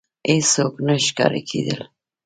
هېڅوک نه ښکاره کېدل.